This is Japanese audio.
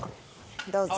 どうぞ。